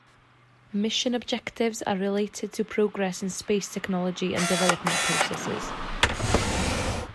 Mission objectives are related to progress in space technology and development processes.